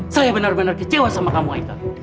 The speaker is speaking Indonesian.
saya benar benar kecewa sama kamu ika